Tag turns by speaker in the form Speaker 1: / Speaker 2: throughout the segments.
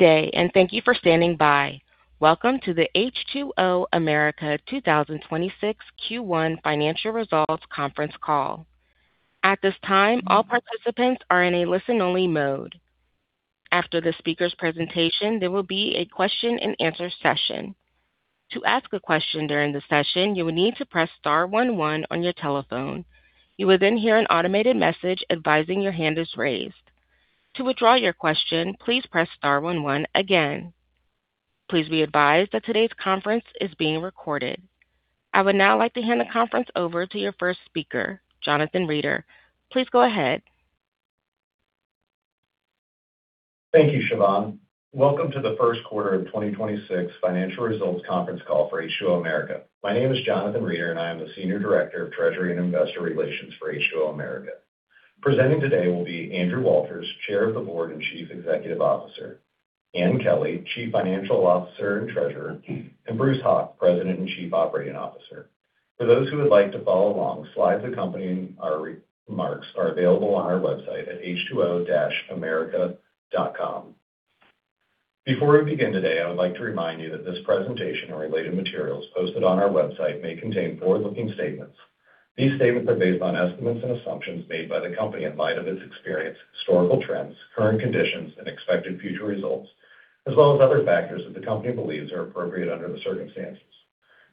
Speaker 1: Good day, and thank you for standing by. Welcome to the H2O America 2026 Q1 Financial Results Conference Call. At this time, all participants are in a listen-only mode. After the speaker's presentation, there will be a question-and-answer session. To ask a question during the session, you will need to press star one one on your telephone. You will then hear an automated message advising your hand is raised. To withdraw your question, please press star one one again. Please be advised that today's conference is being recorded. I would now like to hand the conference over to your first speaker, Jonathan Reeder. Please go ahead.
Speaker 2: Thank you, Siobhan. Welcome to the first quarter of 2026 financial results conference call for H2O America. My name is Jonathan Reeder, and I am the Senior Director of Treasury and Investor Relations for H2O America. Presenting today will be Andrew Walters, Chair of the Board and Chief Executive Officer, Ann Kelly, Chief Financial Officer and Treasurer, and Bruce Hauk, President and Chief Operating Officer. For those who would like to follow along, slides accompanying our remarks are available on our website at h2o-america.com. Before we begin today, I would like to remind you that this presentation or related materials posted on our website may contain forward-looking statements. These statements are based on estimates and assumptions made by the company in light of its experience, historical trends, current conditions, and expected future results, as well as other factors that the company believes are appropriate under the circumstances.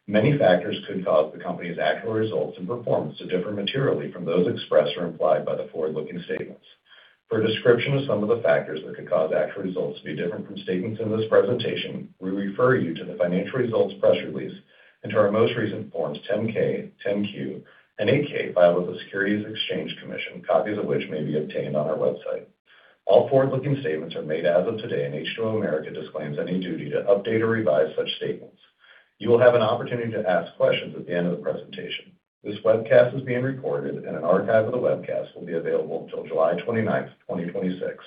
Speaker 2: Many factors could cause the company's actual results and performance to differ materially from those expressed or implied by the forward-looking statements. For a description of some of the factors that could cause actual results to be different from statements in this presentation, we refer you to the financial results press release and to our most recent forms 10-K, 10-Q, and 8-K filed with the Securities and Exchange Commission, copies of which may be obtained on our website. All forward-looking statements are made as of today, and H2O America disclaims any duty to update or revise such statements. You will have an opportunity to ask questions at the end of the presentation. This webcast is being recorded, and an archive of the webcast will be available until July 29th, 2026.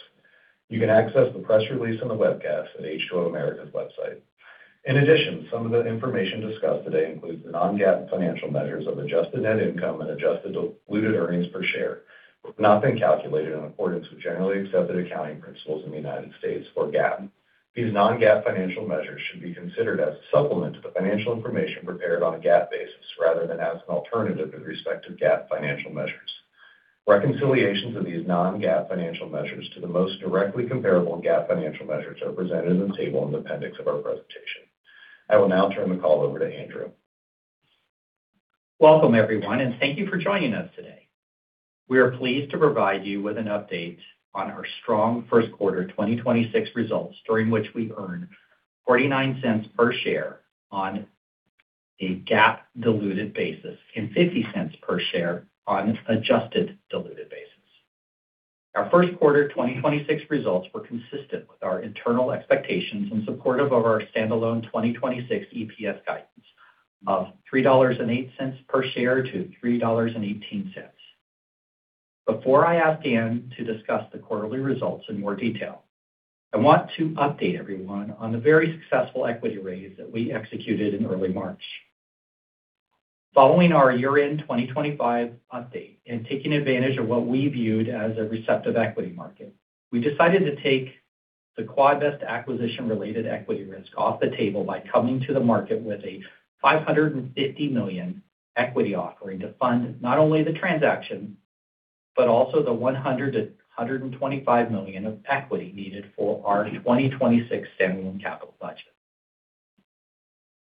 Speaker 2: You can access the press release on the webcast at H2O America's website. In addition, some of the information discussed today includes the non-GAAP financial measures of adjusted net income and adjusted diluted earnings per share, which have not been calculated in accordance with generally accepted accounting principles in the United States or GAAP. These non-GAAP financial measures should be considered as a supplement to the financial information prepared on a GAAP basis rather than as an alternative with respect to GAAP financial measures. Reconciliations of these non-GAAP financial measures to the most directly comparable GAAP financial measures are presented in the table in the appendix of our presentation. I will now turn the call over to Andrew.
Speaker 3: Welcome, everyone. Thank you for joining us today. We are pleased to provide you with an update on our strong first quarter 2026 results, during which we earned $0.49 per share on a GAAP diluted basis and $0.50 per share on an adjusted diluted basis. Our first quarter 2026 results were consistent with our internal expectations in support of our standalone 2026 EPS guidance of $3.08 per share to $3.18. Before I ask Ann to discuss the quarterly results in more detail, I want to update everyone on the very successful equity raise that we executed in early March. Following our year-end 2025 update and taking advantage of what we viewed as a receptive equity market, we decided to take the Quadvest acquisition related equity risk off the table by coming to the market with a $550 million equity offering to fund not only the transaction, but also the $100 million-$125 million of equity needed for our 2026 standalone capital budget.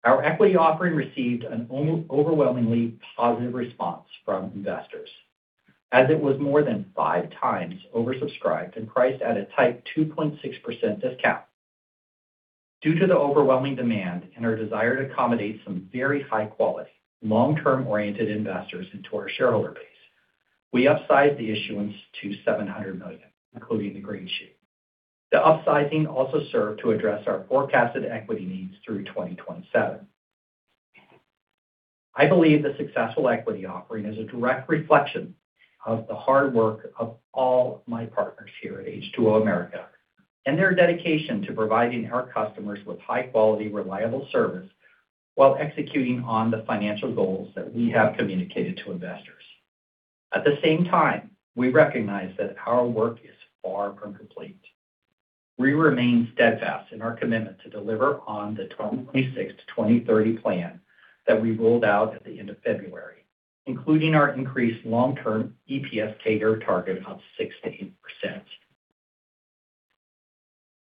Speaker 3: Our equity offering received an overwhelmingly positive response from investors as it was more than 5x oversubscribed and priced at a tight 2.6% discount. Due to the overwhelming demand and our desire to accommodate some very high quality, long-term oriented investors into our shareholder base, we upsized the issuance to $700 million, including the greenshoe. The upsizing also served to address our forecasted equity needs through 2027. I believe the successful equity offering is a direct reflection of the hard work of all my partners here at H2O America and their dedication to providing our customers with high quality, reliable service while executing on the financial goals that we have communicated to investors. At the same time, we recognize that our work is far from complete. We remain steadfast in our commitment to deliver on the 2026-2030 plan that we rolled out at the end of February, including our increased long-term EPS CAGR target of 16%.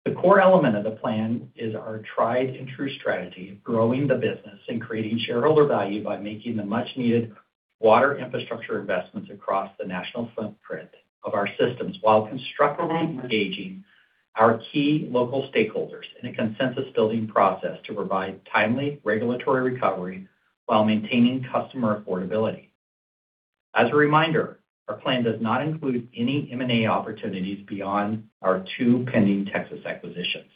Speaker 3: The core element of the plan is our tried and true strategy of growing the business and creating shareholder value by making the much needed water infrastructure investments across the national footprint of our systems while constructively engaging our key local stakeholders in a consensus-building process to provide timely regulatory recovery while maintaining customer affordability. As a reminder, our plan does not include any M&A opportunities beyond our two pending Texas acquisitions.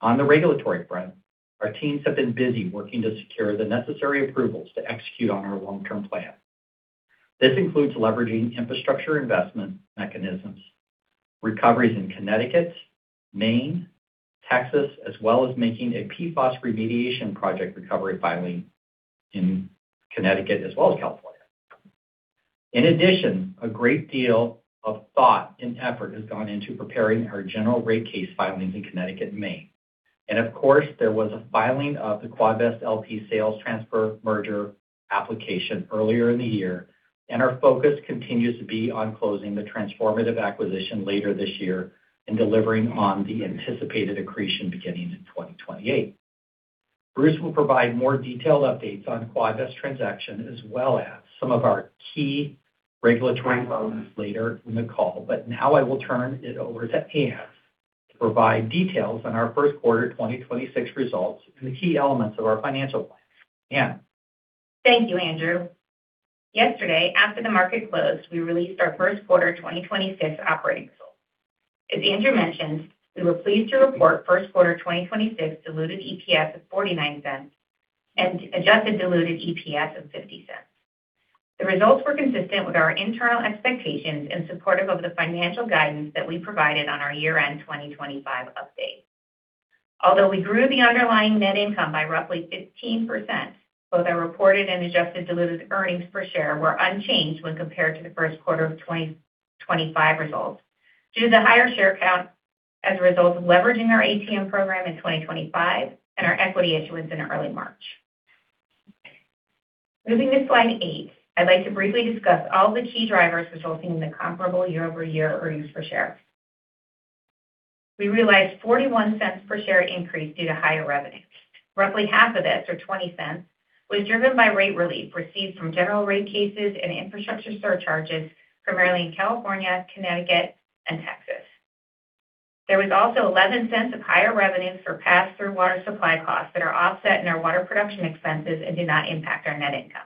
Speaker 3: On the regulatory front, our teams have been busy working to secure the necessary approvals to execute on our long-term plan. This includes leveraging infrastructure investment mechanisms, recoveries in Connecticut, Maine, Texas, as well as making a PFAS remediation project recovery filing in Connecticut as well as California. In addition, a great deal of thought and effort has gone into preparing our general rate case filings in Connecticut and Maine. Of course, there was a filing of the Quadvest, L.P. sales transfer merger application earlier in the year, and our focus continues to be on closing the transformative acquisition later this year and delivering on the anticipated accretion beginning in 2028. Bruce will provide more detailed updates on Quadvest transaction as well as some of our key regulatory developments later in the call. Now I will turn it over to Ann to provide details on our first quarter 2026 results and the key elements of our financial plan. Ann.
Speaker 4: Thank you, Andrew. Yesterday, after the market closed, we released our first quarter 2026 operating results. As Andrew mentioned, we were pleased to report first quarter 2026 diluted EPS of $0.49 and adjusted diluted EPS of $0.50. The results were consistent with our internal expectations and supportive of the financial guidance that we provided on our year-end 2025 update. Although we grew the underlying net income by roughly 15%, both our reported and adjusted diluted earnings per share were unchanged when compared to the first quarter of 2025 results due to the higher share count as a result of leveraging our ATM program in 2025 and our equity issuance in early March. Moving to slide eight, I'd like to briefly discuss all the key drivers resulting in the comparable year-over-year earnings per share. We realized $0.41 per share increase due to higher revenue. Roughly half of this, or $0.20, was driven by rate relief received from general rate cases and infrastructure surcharges, primarily in California, Connecticut and Texas. There was also $0.11 of higher revenue for pass-through water supply costs that are offset in our water production expenses and do not impact our net income.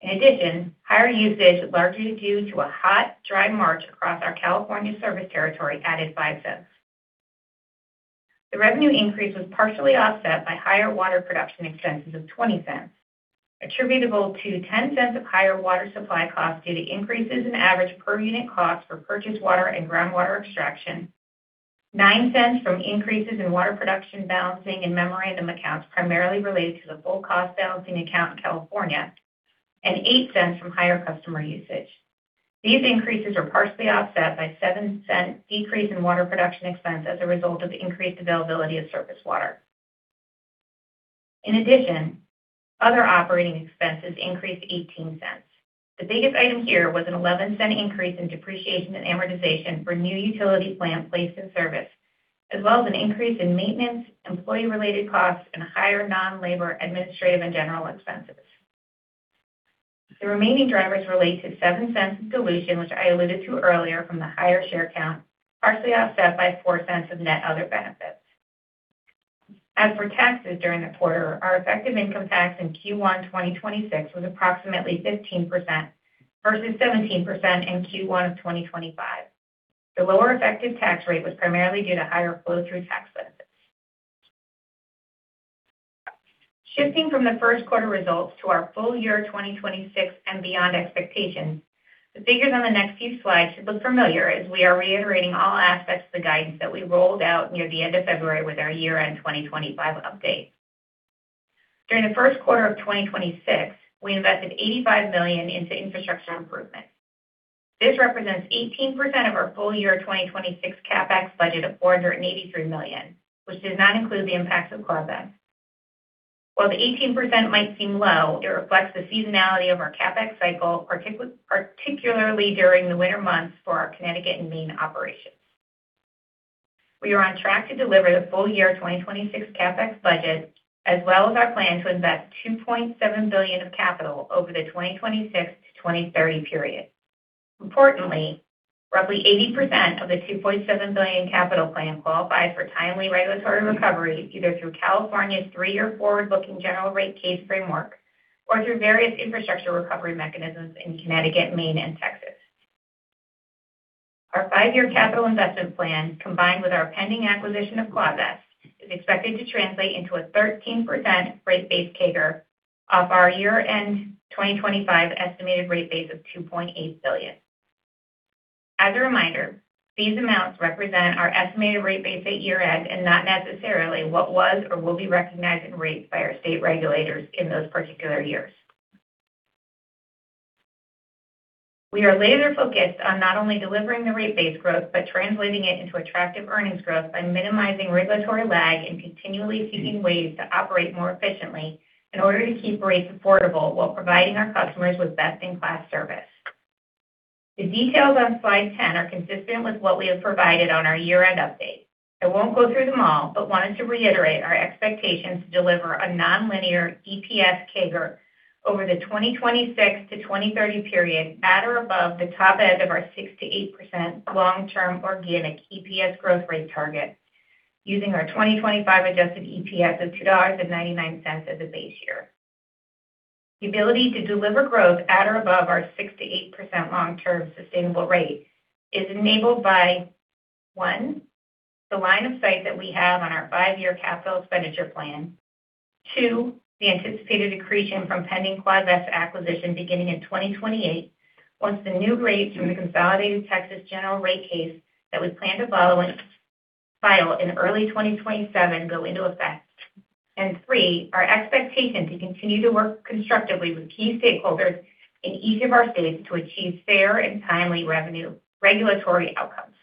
Speaker 4: In addition, higher usage, largely due to a hot, dry March across our California service territory, added $0.05. The revenue increase was partially offset by higher water production expenses of $0.20, attributable to $0.10 of higher water supply costs due to increases in average per unit cost for purchased water and groundwater extraction, $0.09 from increases in water production balancing and memorandum accounts primarily related to the full cost balancing account in California, and $0.08 from higher customer usage. These increases are partially offset by a $0.07 decrease in water production expense as a result of increased availability of surface water. In addition, other operating expenses increased $0.18. The biggest item here was an $0.11 increase in depreciation and amortization for new utility plants placed in service, as well as an increase in maintenance, employee-related costs, and higher non-labor, administrative and general expenses. The remaining drivers relate to $0.07 of dilution, which I alluded to earlier from the higher share count, partially offset by $0.04 of net other benefits. As for taxes during the quarter, our effective income tax in Q1 2026 was approximately 15% versus 17% in Q1 of 2025. The lower effective tax rate was primarily due to higher flow-through tax benefits. Shifting from the first quarter results to our full year 2026 and beyond expectations, the figures on the next few slides should look familiar as we are reiterating all aspects of the guidance that we rolled out near the end of February with our year-end 2025 update. During the first quarter of 2026, we invested $85 million into infrastructure improvements. This represents 18% of our full year 2026 CapEx budget of $483 million, which does not include the impacts of Quadvest. While the 18% might seem low, it reflects the seasonality of our CapEx cycle, particularly during the winter months for our Connecticut and Maine operations. We are on track to deliver the full year 2026 CapEx budget as well as our plan to invest $2.7 billion of capital over the 2026-2030 period. Importantly, roughly 80% of the $2.7 billion capital plan qualifies for timely regulatory recovery, either through California's three or forward-looking general rate case framework or through various infrastructure recovery mechanisms in Connecticut, Maine and Texas. Our five-year capital investment plan, combined with our pending acquisition of Quadvest, is expected to translate into a 13% rate base CAGR off our year-end 2025 estimated rate base of $2.8 billion. As a reminder, these amounts represent our estimated rate base at year-end and not necessarily what was or will be recognized and rates by our state regulators in those particular years. We are laser-focused on not only delivering the rate base growth but translating it into attractive earnings growth by minimizing regulatory lag and continually seeking ways to operate more efficiently in order to keep rates affordable while providing our customers with best-in-class service. The details on slide 10 are consistent with what we have provided on our year-end update. I won't go through them all, but wanted to reiterate our expectations to deliver a nonlinear EPS CAGR over the 2026 to 2030 period at or above the top edge of our 6%-8% long-term organic EPS growth rate target using our 2025 adjusted EPS of $2.99 as a base year. The ability to deliver growth at or above our 6%-8% long-term sustainable rate is enabled by, one, the line of sight that we have on our five-year capital expenditure plan. Two, the anticipated accretion from pending Quadvest acquisition beginning in 2028 once the new rates from the consolidated Texas General Rate Case that was planned to follow and file in early 2027 go into effect. Three, our expectation to continue to work constructively with key stakeholders in each of our states to achieve fair and timely revenue regulatory outcomes.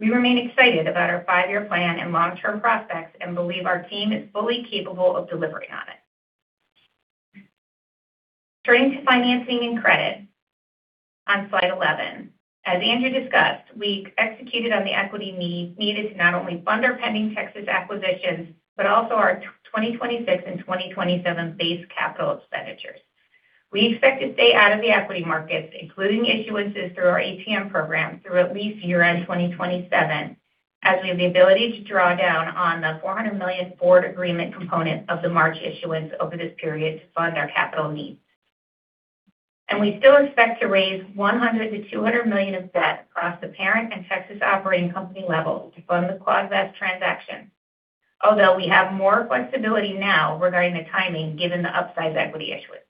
Speaker 4: We remain excited about our five-year plan and long-term prospects and believe our team is fully capable of delivering on it. Turning to financing and credit on slide 11. As Andrew discussed, we executed on the equity needed to not only fund our pending Texas acquisitions, but also our 2026 and 2027 base capital expenditures. We expect to stay out of the equity markets, including issuances through our ATM program through at least year-end 2027 as we have the ability to draw down on the $400 million board agreement component of the March issuance over this period to fund our capital needs. We still expect to raise $100 million-$200 million of debt across the parent and Texas Water Company levels to fund the Quadvest transaction. We have more flexibility now regarding the timing given the upsize equity issuance.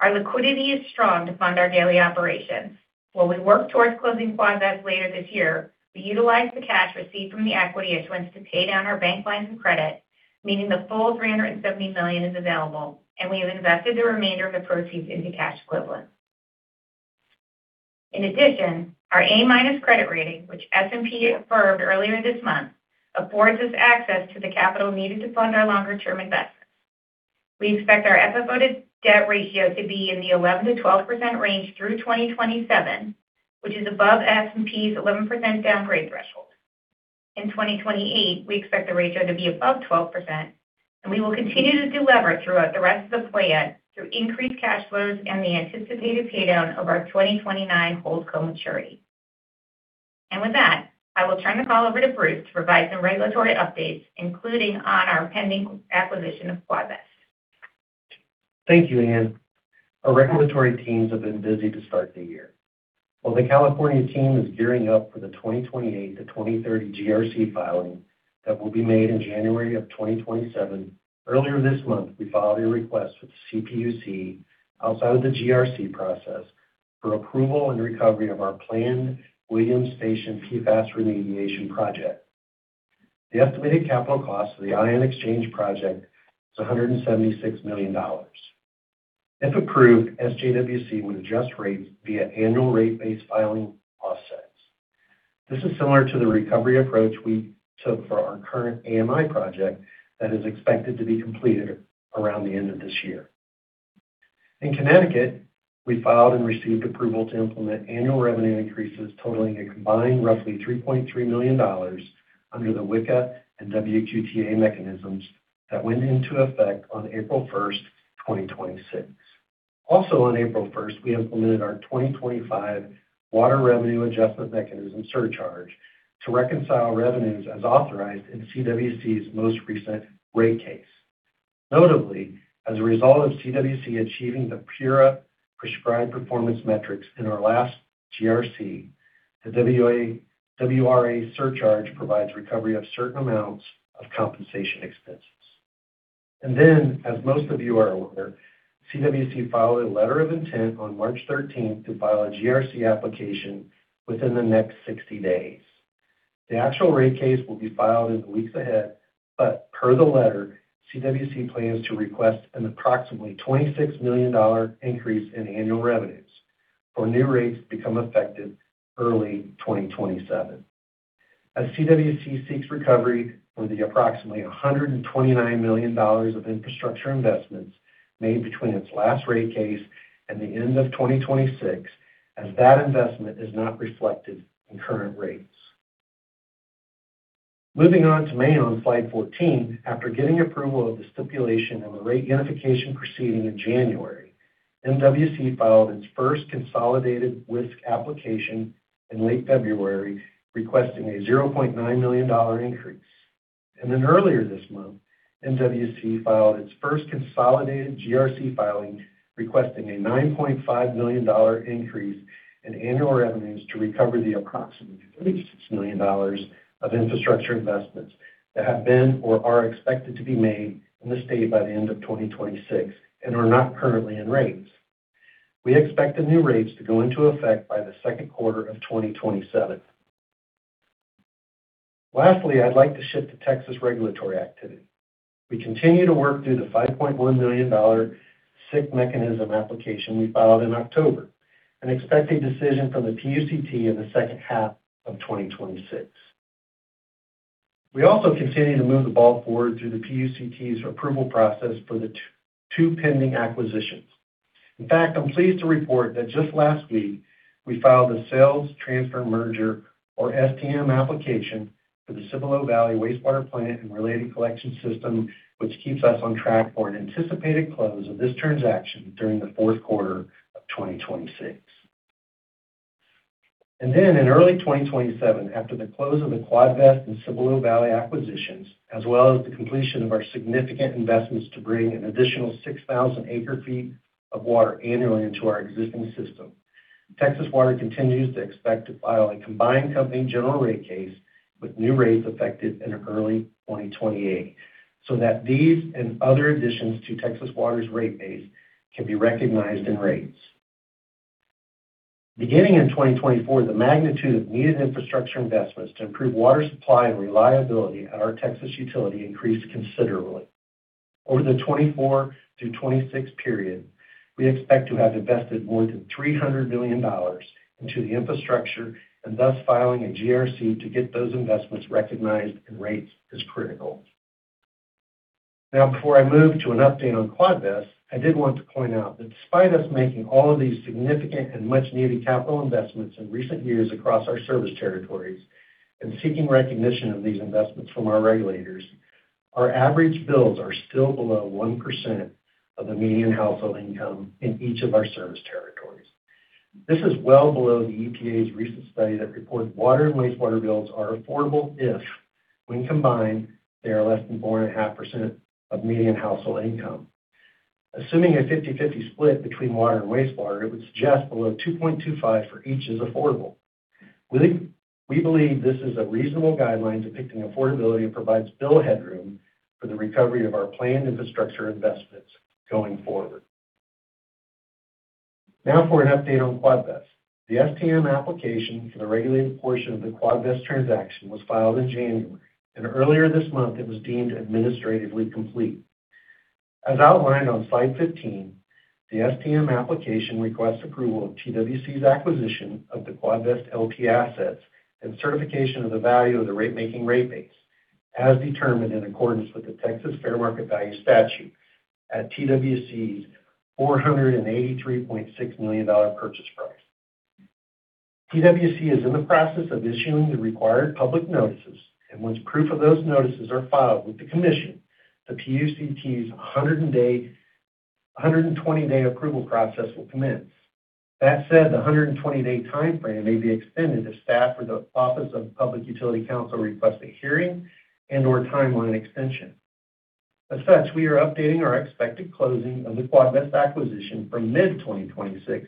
Speaker 4: Our liquidity is strong to fund our daily operations. While we work towards closing Quadvest later this year, we utilize the cash received from the equity issuance to pay down our bank lines of credit, meaning the full $370 million is available, and we have invested the remainder of the proceeds into cash equivalents. In addition, our A- credit rating, which S&P affirmed earlier this month, affords us access to the capital needed to fund our longer-term investments. We expect our FFO to debt ratio to be in the 11%-12% range through 2027, which is above S&P's 11% downgrade threshold. In 2028, we expect the ratio to be above 12%, and we will continue to delever throughout the rest of the plan through increased cash flows and the anticipated pay down of our 2029 holdco maturity. With that, I will turn the call over to Bruce to provide some regulatory updates, including on our pending acquisition of Quadvest.
Speaker 5: Thank you, Ann. Our regulatory teams have been busy to start the year. While the California team is gearing up for the 2028 to 2030 GRC filing that will be made in January of 2027, earlier this month, we filed a request with the CPUC outside of the GRC process for approval and recovery of our planned Williams Station PFAS remediation project. The estimated capital cost of the ion exchange project is $176 million. If approved, SJWC would adjust rates via annual rate-based filing offsets. This is similar to the recovery approach we took for our current AMI project that is expected to be completed around the end of this year. In Connecticut, we filed and received approval to implement annual revenue increases totaling a combined roughly $3.3 million under the WICA and WGTA mechanisms that went into effect on April 1st, 2026. On April 1st, we implemented our 2025 water revenue adjustment mechanism surcharge to reconcile revenues as authorized in CWC's most recent rate case. As a result of CWC achieving the PURA prescribed performance metrics in our last GRC, the WRA surcharge provides recovery of certain amounts of compensation expenses. As most of you are aware, CWC filed a letter of intent on March 13 to file a GRC application within the next 60 days. The actual rate case will be filed in the weeks ahead. Per the letter, CWC plans to request an approximately $26 million increase in annual revenues for new rates to become effective early 2027. As CWC seeks recovery for the approximately $129 million of infrastructure investments made between its last rate case and the end of 2026, as that investment is not reflected in current rates. Moving on to Maine on slide 14, after getting approval of the stipulation and the rate unification proceeding in January, MWC filed its first consolidated WISC application in late February, requesting a $0.9 million increase. Earlier this month, MWC filed its first consolidated GRC filing, requesting a $9.5 million increase in annual revenues to recover the approximately $36 million of infrastructure investments that have been or are expected to be made in the state by the end of 2026 and are not currently in rates. We expect the new rates to go into effect by the second quarter of 2027. Lastly, I'd like to shift to Texas regulatory activity. We continue to work through the $5.1 million SIC mechanism application we filed in October and expect a decision from the PUCT in the second half of 2026. We also continue to move the ball forward through the PUCT's approval process for the two pending acquisitions. In fact, I am pleased to report that just last week, we filed a sales transfer merger or STM application for the Cibolo Valley Wastewater Plant and related collection system, which keeps us on track for an anticipated close of this transaction during the fourth quarter of 2026. Then in early 2027, after the close of the Quadvest and Cibolo Valley acquisitions, as well as the completion of our significant investments to bring an additional 6,000 acre-ft of water annually into our existing system, Texas Water continues to expect to file a combined company general rate case with new rates affected in early 2028, so that these and other additions to Texas Water's rate base can be recognized in rates. Beginning in 2024, the magnitude of needed infrastructure investments to improve water supply and reliability at our Texas utility increased considerably. Over the 2024 through 2026 period, we expect to have invested more than $300 million into the infrastructure. Thus filing a GRC to get those investments recognized in rates is critical. Before I move to an update on Quadvest, I did want to point out that despite us making all of these significant and much-needed capital investments in recent years across our service territories and seeking recognition of these investments from our regulators, our average bills are still below 1% of the median household income in each of our service territories. This is well below the EPA's recent study that reports water and wastewater bills are affordable if, when combined, they are less than 4.5% of median household income. Assuming a 50/50 split between water and wastewater, it would suggest below 2.25% for each is affordable. We believe this is a reasonable guideline depicting affordability and provides bill headroom for the recovery of our planned infrastructure investments going forward. Now for an update on Quadvest. The STM application for the regulated portion of the Quadvest transaction was filed in January, and earlier this month it was deemed administratively complete. As outlined on slide 15, the STM application requests approval of TWC's acquisition of the Quadvest, L.P. assets and certification of the value of the rate making rate base as determined in accordance with the Texas Fair Market Value Statute at TWC's $483.6 million purchase price. TWC is in the process of issuing the required public notices, and once proof of those notices are filed with the commission, the PUCT's 120-day approval process will commence. That said, the 120-day timeframe may be extended if staff or the Office of Public Utility Counsel requests a hearing and/or timeline extension. We are updating our expected closing of the Quadvest acquisition from mid 2026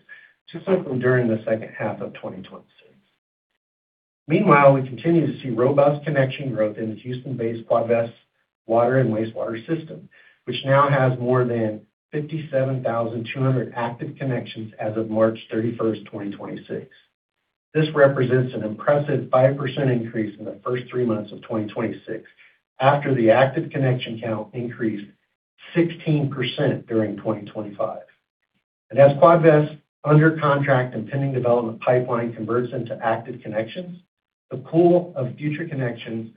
Speaker 5: to sometime during the second half of 2026. We continue to see robust connection growth in the Houston-based Quadvest water and wastewater system, which now has more than 57,200 active connections as of March 31st, 2026. This represents an impressive 5% increase in the first three months of 2026 after the active connection count increased 16% during 2025. As Quadvest under contract and pending development pipeline converts into active connections, the pool of future connections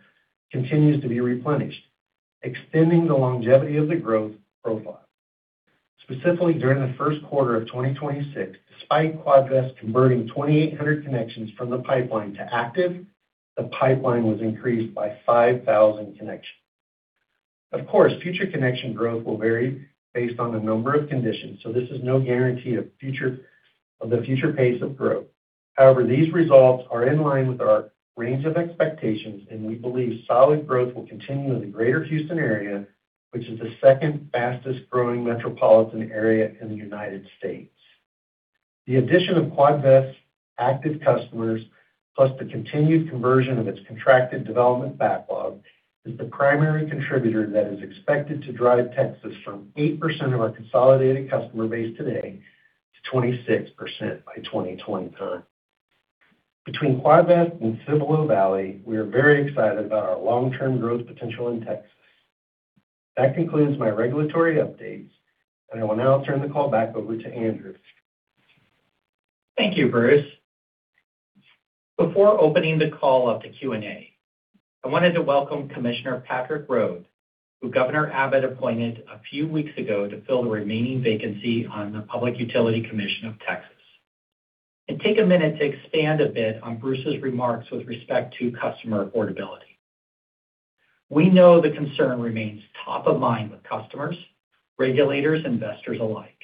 Speaker 5: continues to be replenished, extending the longevity of the growth profile. Specifically, during the first quarter of 2026, despite Quadvest converting 2,800 connections from the pipeline to active, the pipeline was increased by 5,000 connections. Of course, future connection growth will vary based on a number of conditions, so this is no guarantee of the future pace of growth. These results are in line with our range of expectations, and we believe solid growth will continue in the greater Houston area, which is the second fastest-growing metropolitan area in the U.S. The addition of Quadvest's active customers, plus the continued conversion of its contracted development backlog, is the primary contributor that is expected to drive Texas from 8% of our consolidated customer base today to 26% by 2029. Between Quadvest and Cibolo Valley, we are very excited about our long-term growth potential in Texas. That concludes my regulatory updates, and I will now turn the call back over to Andrew.
Speaker 3: Thank you, Bruce. Before opening the call up to Q&A, I wanted to welcome Commissioner Patrick Rhode, who Governor Abbott appointed a few weeks ago to fill the remaining vacancy on the Public Utility Commission of Texas, and take a minute to expand a bit on Bruce's remarks with respect to customer affordability. We know the concern remains top of mind with customers, regulators, investors alike,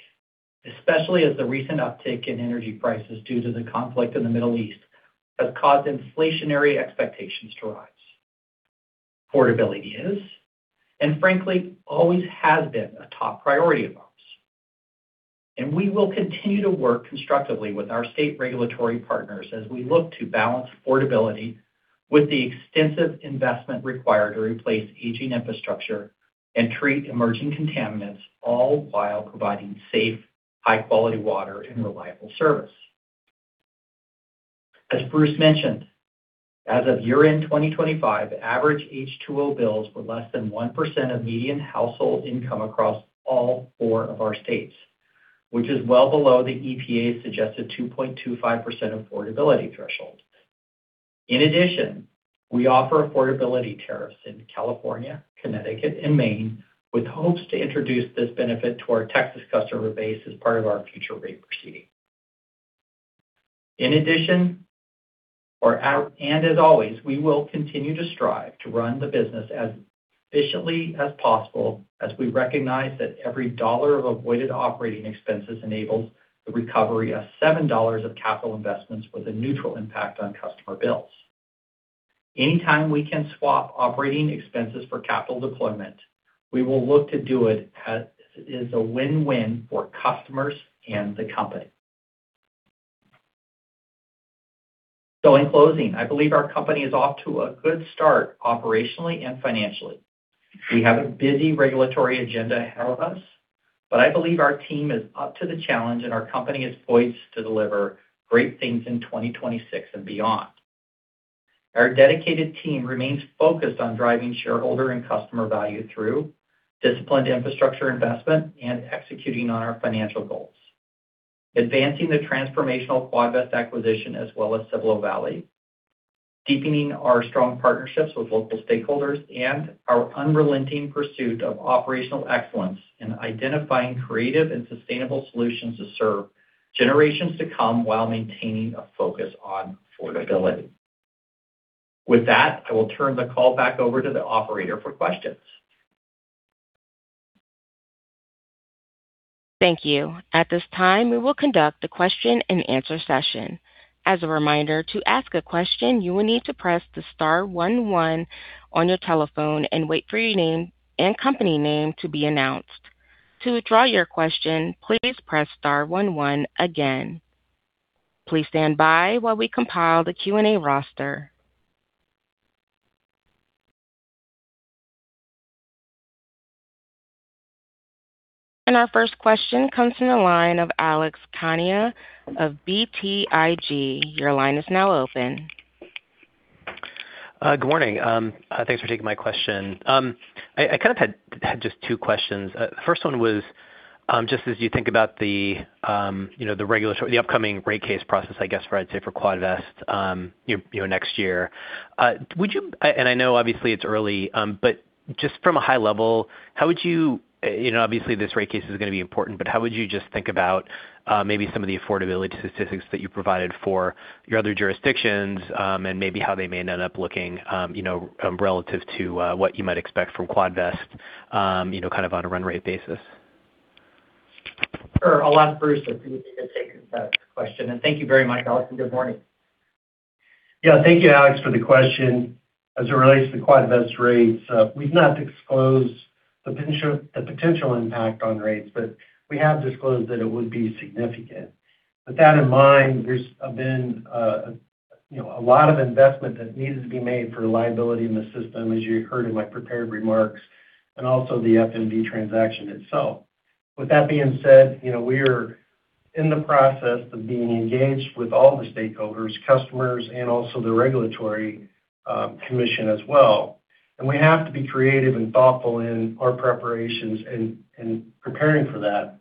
Speaker 3: especially as the recent uptick in energy prices due to the conflict in the Middle East has caused inflationary expectations to rise. Affordability is, and frankly, always has been a top priority of ours, and we will continue to work constructively with our state regulatory partners as we look to balance affordability with the extensive investment required to replace aging infrastructure and treat emerging contaminants, all while providing safe, high-quality water and reliable service. As Bruce mentioned, as of year-end 2025, average H2O bills were less than 1% of median household income across all four of our states, which is well below the EPA's suggested 2.25% affordability threshold. We offer affordability tariffs in California, Connecticut, and Maine, with hopes to introduce this benefit to our Texas customer base as part of our future rate proceeding. As always, we will continue to strive to run the business as efficiently as possible as we recognize that every $1 of avoided operating expenses enables the recovery of $7 of capital investments with a neutral impact on customer bills. Anytime we can swap operating expenses for capital deployment, we will look to do it as it is a win-win for customers and the company. In closing, I believe our company is off to a good start operationally and financially. We have a busy regulatory agenda ahead of us. I believe our team is up to the challenge, and our company is poised to deliver great things in 2026 and beyond. Our dedicated team remains focused on driving shareholder and customer value through disciplined infrastructure investment and executing on our financial goals. Advancing the transformational Quadvest acquisition as well as Cibolo Valley, deepening our strong partnerships with local stakeholders and our unrelenting pursuit of operational excellence in identifying creative and sustainable solutions to serve generations to come while maintaining a focus on affordability. With that, I will turn the call back over to the operator for questions.
Speaker 1: Thank you. At this time, we will conduct the question-and-answer session. As a reminder, to ask a question, you will need to press the star one one on your telephone and wait for your name and company name to be announced. To withdraw your question, please press star one one again. Please stand by while we compile the Q&A roster. Our first question comes from the line of Alex Kania of BTIG. Your line is now open.
Speaker 6: Good morning. Thanks for taking my question. I kind of had just two questions. The first one was, just as you think about the, you know, the upcoming rate case process, I guess, for I'd say for Quadvest, you know, next year. I know obviously it's early, but just from a high level, how would you know, obviously this rate case is going to be important, but how would you just think about maybe some of the affordability statistics that you provided for your other jurisdictions, and maybe how they may end up looking, you know, relative to what you might expect from Quadvest, you know, kind of on a run rate basis?
Speaker 3: Sure. I'll ask Bruce to take that question. Thank you very much, Alex, and good morning.
Speaker 5: Thank you, Alex, for the question. As it relates to Quadvest rates, we've not disclosed the potential impact on rates, but we have disclosed that it would be significant. With that in mind, there's been, you know, a lot of investment that needs to be made for liability in the system, as you heard in my prepared remarks, and also the FMV transaction itself. With that being said, you know, we're in the process of being engaged with all the stakeholders, customers, and also the regulatory commission as well. We have to be creative and thoughtful in our preparations and preparing for that.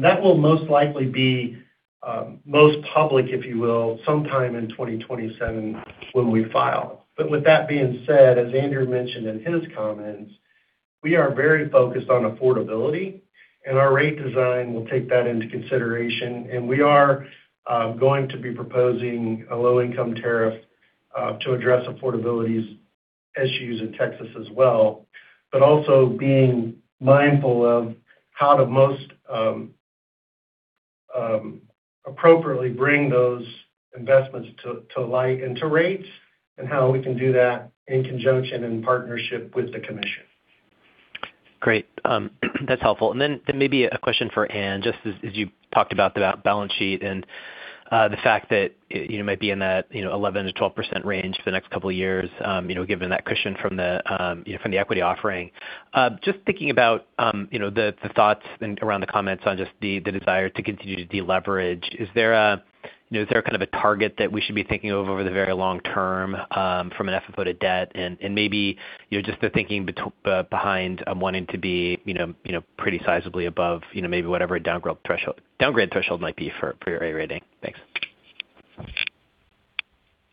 Speaker 5: That will most likely be most public, if you will, sometime in 2027 when we file. With that being said, as Andrew mentioned in his comments, we are very focused on affordability and our rate design will take that into consideration. We are going to be proposing a low income tariff to address affordability's issues in Texas as well. Also being mindful of how to most appropriately bring those investments to light and to rates and how we can do that in conjunction and partnership with the commission.
Speaker 6: Great. That's helpful. Maybe a question for Ann, just as you talked about the balance sheet and the fact that, you know, you might be in that, you know, 11%-12% range for the next couple of years, given that cushion from the, you know, from the equity offering. Just thinking about, you know, the thoughts around the comments on just the desire to continue to deleverage. Is there a, you know, is there a kind of a target that we should be thinking of over the very long term, from an FFO to debt and maybe, you know, just the thinking behind wanting to be, you know, you know, pretty sizably above, you know, maybe whatever downgrade threshold might be for your A rating. Thanks.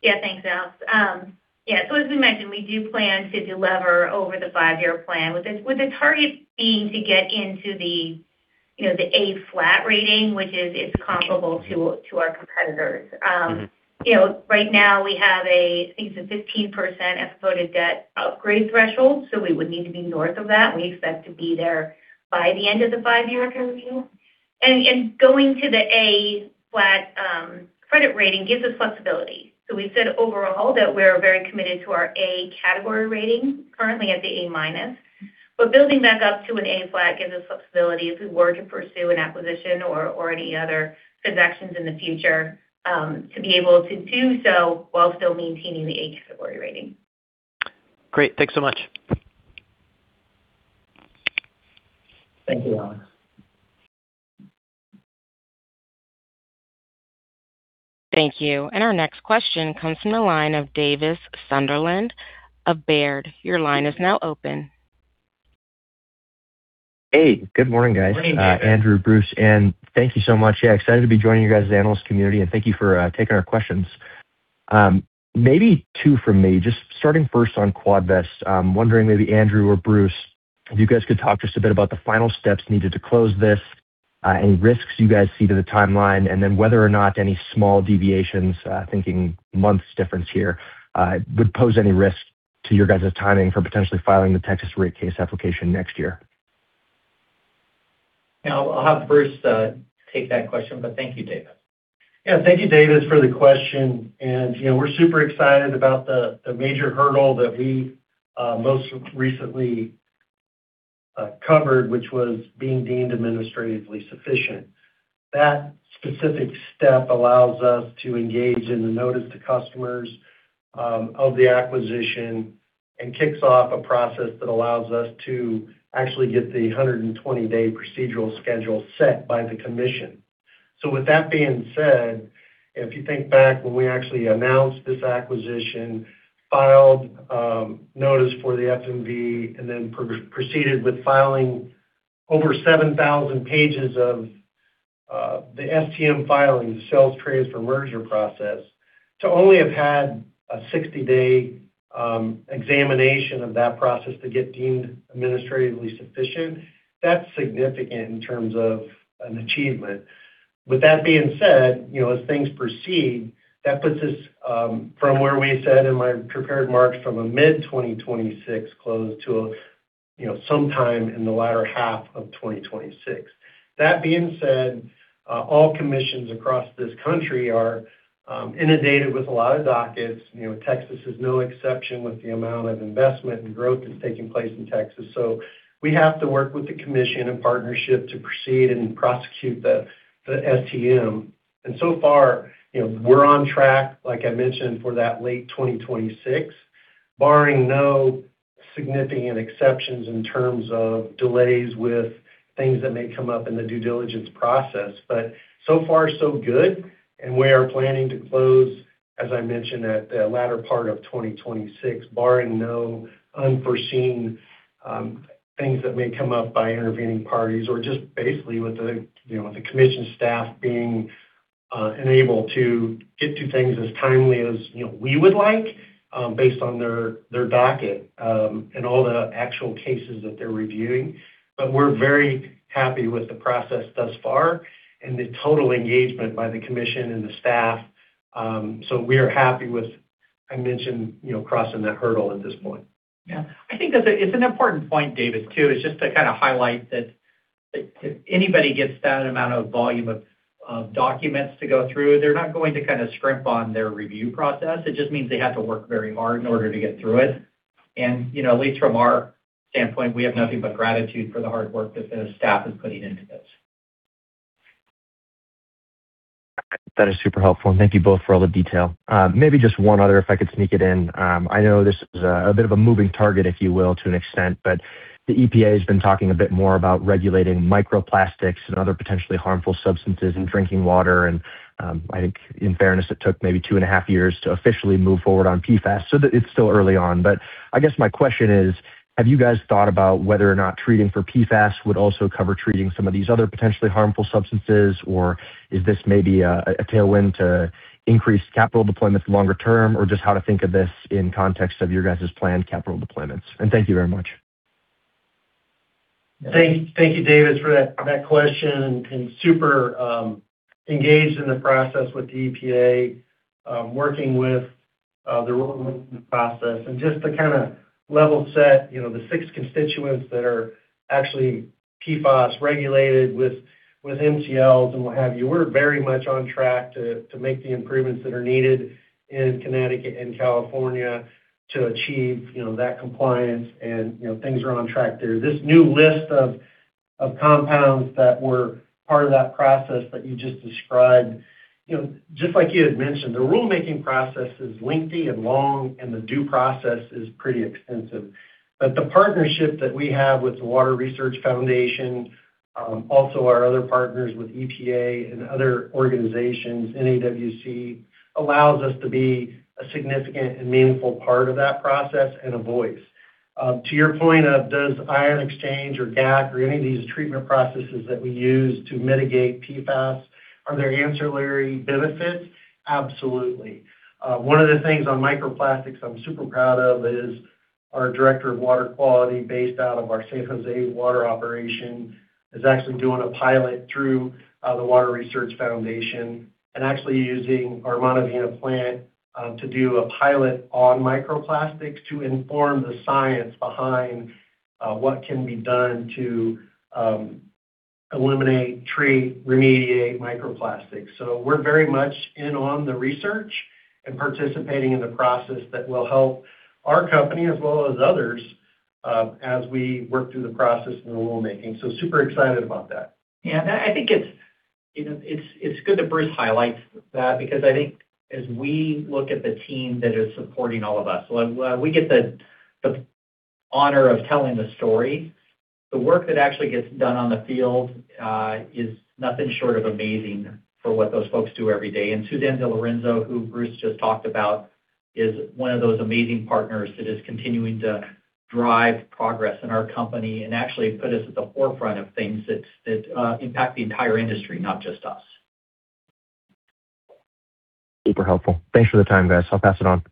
Speaker 4: Thanks, Alex. As we mentioned, we do plan to delever over the five-year plan with the target being to get into the, you know, the A flat rating, which is comparable to our competitors. You know, right now we have a, I think it's a 15% FFO to debt upgrade threshold. We would need to be north of that. We expect to be there by the end of the five-year review. Going to the A flat credit rating gives us flexibility. We said overall that we're very committed to our A category rating currently at the A-. Building back up to an A flat gives us flexibility if we were to pursue an acquisition or any other transactions in the future, to be able to do so while still maintaining the A category rating.
Speaker 6: Great. Thanks so much.
Speaker 3: Thank you, Alex.
Speaker 1: Thank you. Our next question comes from the line of Davis Sunderland of Baird. Your line is now open.
Speaker 7: Hey, good morning, guys.
Speaker 3: Morning, Davis.
Speaker 7: Andrew, Bruce, Ann, thank you so much. Yeah, excited to be joining you guys, the analyst community, and thank you for taking our questions. Maybe two from me, just starting first on Quadvest. Wondering maybe Andrew or Bruce, if you guys could talk just a bit about the final steps needed to close this, any risks you guys see to the timeline, and then whether or not any small deviations, thinking months difference here, would pose any risk to your guys' timing for potentially filing the Texas rate case application next year.
Speaker 3: Yeah. I'll have Bruce take that question, but thank you, Davis.
Speaker 5: Thank you, Davis, for the question. You know, we're super excited about the major hurdle that we most recently covered, which was being deemed administratively sufficient. That specific step allows us to engage in the notice to customers of the acquisition and kicks off a process that allows us to actually get the 120-day procedural schedule set by the Commission. With that being said, if you think back when we actually announced this acquisition, filed notice for the FMV, then proceeded with filing over 7,000 pages of the STM filing, the sales transfer merger process. To only have had a 60-day examination of that process to get deemed administratively sufficient, that's significant in terms of an achievement. With that being said, you know, as things proceed, that puts us from where we said in my prepared remarks from a mid-2026 close to a, you know, sometime in the latter half of 2026. That being said, all commissions across this country are inundated with a lot of dockets. You know, Texas is no exception with the amount of investment and growth that's taking place in Texas. We have to work with the commission in partnership to proceed and prosecute the STM. So far, you know, we're on track, like I mentioned, for that late 2026, barring no significant exceptions in terms of delays with things that may come up in the due diligence process. So far so good, we are planning to close, as I mentioned, at the latter part of 2026, barring no unforeseen things that may come up by intervening parties or just basically with the, you know, with the commission staff being unable to get to things as timely as, you know, we would like, based on their docket, and all the actual cases that they're reviewing. We're very happy with the process thus far and the total engagement by the commission and the staff. We are happy with, I mentioned, you know, crossing that hurdle at this point.
Speaker 3: Yeah. I think that's an important point, Davis, too. It's just to kinda highlight that if anybody gets that amount of volume of documents to go through, they're not going to kinda scrimp on their review process. It just means they have to work very hard in order to get through it. You know, at least from our standpoint, we have nothing but gratitude for the hard work that the staff is putting into this.
Speaker 7: That is super helpful. Thank you both for all the detail. Maybe just one other, if I could sneak it in. I know this is a bit of a moving target, if you will, to an extent. The EPA has been talking a bit more about regulating microplastics and other potentially harmful substances in drinking water. I think in fairness, it took maybe two and a half years to officially move forward on PFAS. It's still early on. I guess my question is: Have you guys thought about whether or not treating for PFAS would also cover treating some of these other potentially harmful substances, or is this maybe a tailwind to increase capital deployments longer term, or just how to think of this in context of your guys' planned capital deployments? Thank you very much.
Speaker 5: Thank you, Davis, for that question. Super engaged in the process with the EPA, working with the rulemaking process. Just to kinda level set, you know, the six constituents that are actually PFAS regulated with MCLs and what have you, we're very much on track to make the improvements that are needed in Connecticut and California to achieve, you know, that compliance and, you know, things are on track there. This new list of compounds that were part of that process that you just described, you know, just like you had mentioned, the rulemaking process is lengthy and long, and the due process is pretty extensive. The partnership that we have with the Water Research Foundation, also our other partners with EPA and other organizations, NAWC, allows us to be a significant and meaningful part of that process and a voice. To your point of does ion exchange or GAC or any of these treatment processes that we use to mitigate PFAS, are there ancillary benefits? Absolutely. One of the things on microplastics I'm super proud of is our director of water quality based out of our San Jose Water operation is actually doing a pilot through the Water Research Foundation and actually using our Montevina plant to do a pilot on microplastics to inform the science behind what can be done to eliminate, treat, remediate microplastics. We're very much in on the research and participating in the process that will help our company as well as others, as we work through the process and the rulemaking. Super excited about that.
Speaker 3: Yeah. I think it's, you know, it's good that Bruce highlights that because I think as we look at the team that is supporting all of us, when we get the honor of telling the story, the work that actually gets done on the field is nothing short of amazing for what those folks do every day. Suzanne DeLorenzo, who Bruce just talked about, is one of those amazing partners that is continuing to drive progress in our company and actually put us at the forefront of things that impact the entire industry, not just us.
Speaker 7: Super helpful. Thanks for the time, guys. I'll pass it on.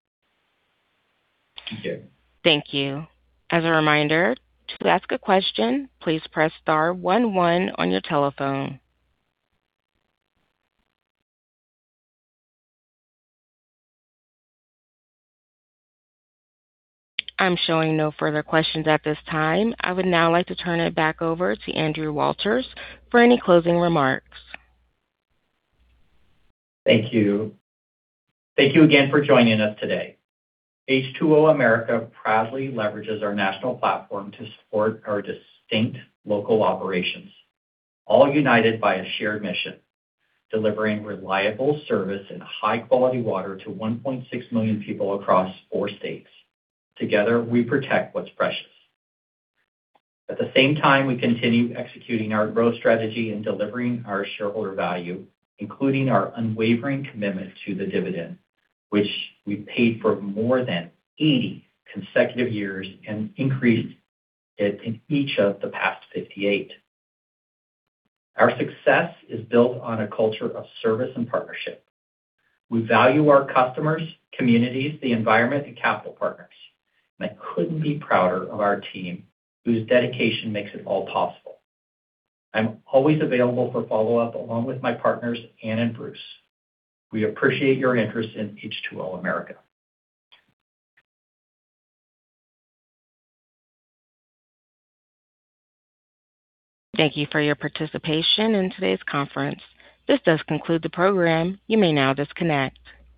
Speaker 3: Thank you.
Speaker 1: Thank you. As a reminder, to ask a question, please press star one one on your telephone. I'm showing no further questions at this time. I would now like to turn it back over to Andrew Walters for any closing remarks.
Speaker 3: Thank you. Thank you again for joining us today. H2O America proudly leverages our national platform to support our distinct local operations, all united by a shared mission, delivering reliable service and high-quality water to 1.6 million people across four states. Together, we protect what's precious. At the same time, we continue executing our growth strategy and delivering our shareholder value, including our unwavering commitment to the dividend, which we paid for more than 80 consecutive years and increased it in each of the past 58. Our success is built on a culture of service and partnership. We value our customers, communities, the environment, and capital partners, and I couldn't be prouder of our team, whose dedication makes it all possible. I'm always available for follow-up, along with my partners, Ann and Bruce. We appreciate your interest in H2O America.
Speaker 1: Thank you for your participation in today's conference. This does conclude the program. You may now disconnect.